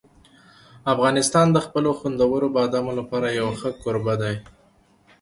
افغانستان د خپلو خوندورو بادامو لپاره یو ښه کوربه دی.